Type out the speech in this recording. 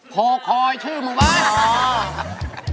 โคคอยชื่อหมู่บ้าน